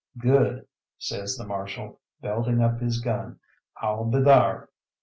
"Good," says the Marshal, belting up his gun, "I'll be thar."